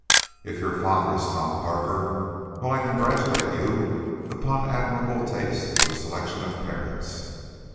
If your father is Tom Parker well. I congratulate you upon an admirable taste in the selection of parents."